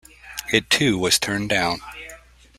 It too was turned down.